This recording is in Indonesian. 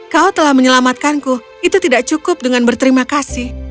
kau telah menyelamatkanku itu tidak cukup dengan berterima kasih